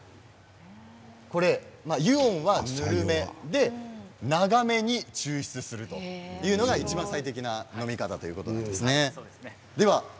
湯温はぬるめ長めに抽出するというのがいちばん最適な飲み方ということになりますね。